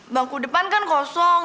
bangku depan kan kosong